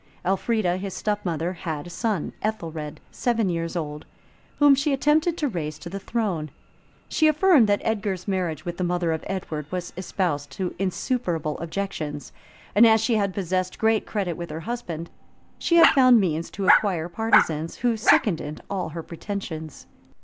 Elfrida, his step mother, had a son, Ethelred, seven years old, whom she attempted to raise to the throne: she affirmed that Edgar's marriage with the mother of Edward was exposed to insuperable objections; and as she had possessed great credit with her husband, she had found means to acquire partisans, who seconded all her pretensions.